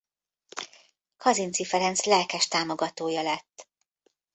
Kazinczy Ferenc lelkes támogatója lett.